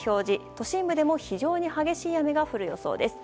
都心部でも非常に激しい雨が降る予想です。